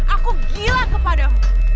aku gila kepadamu